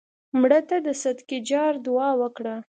مړه ته د صدقې جار دعا وکړه